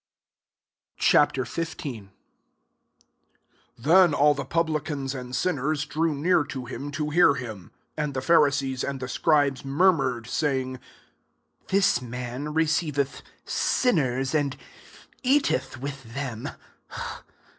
Ch. XV. 1 Then all the pub licans and sinners drew near to hijn to hear him. 2 And the Pharisees and the scribes mur mured, saying, " This man re ceiveth sinnei's, and eateth with them."